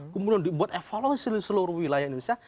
kemudian dibuat evaluasi seluruh wilayah indonesia